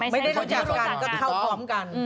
ไม่ใช่ที่เข้ามาอยู่กันก็เข้าพร้อมกัน